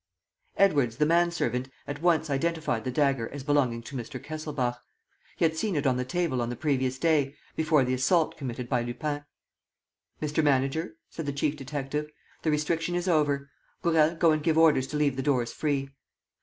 Edwards, the man servant, at once identified the dagger as belonging to Mr. Kesselbach. He had seen it on the table on the previous day, before the assault committed by Lupin. "Mr. Manager," said the chief detective, "the restriction is over. Gourel, go and give orders to leave the doors free."